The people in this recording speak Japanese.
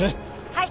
はい！